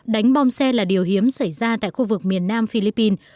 đánh bom xe là điều hiếm xảy ra tại khu vực miền nam philippines